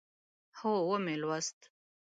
هو، ومی لوست